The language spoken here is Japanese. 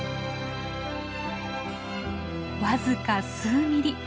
僅か数ミリ。